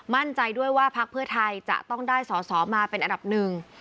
มั่นใจด้วยว่าพักเพื่อไทยจะต้องได้สอสอมาเป็นอันดับหนึ่ง